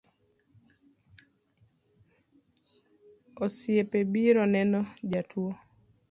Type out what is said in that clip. Osiepe obiro neno jatuo